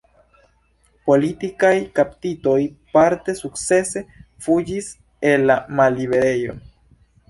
Politikaj kaptitoj parte sukcese fuĝis el la malliberejo.